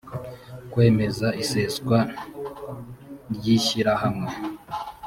kwemeza iseswa ry ishyirahamwe